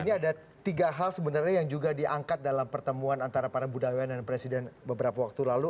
ini ada tiga hal sebenarnya yang juga diangkat dalam pertemuan antara para budaya dan presiden beberapa waktu lalu